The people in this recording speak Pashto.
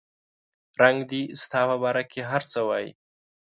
رنګ دې ستا په باره کې هر څه وایي